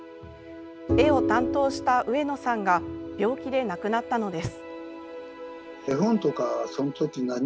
絵を担当した上野さんが病気で亡くなったのです。